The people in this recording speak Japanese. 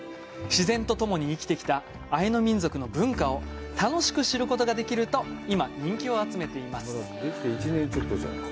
自然と共に生きてきたアイヌ民族の文化を楽しく知ることができると今人気を集めています。